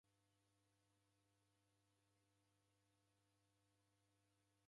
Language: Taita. W'asaw'i w'adalogha w'andu nakio